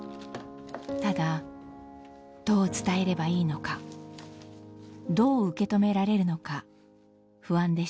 ただどう伝えればいいのかどう受け止められるのか不安でした。